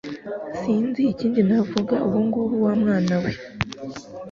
Sinzi ikindi navuga ubungubu w'amwana we